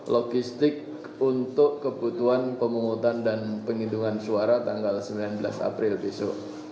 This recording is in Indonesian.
logistik untuk kebutuhan pemungutan dan penghitungan suara tanggal sembilan belas april besok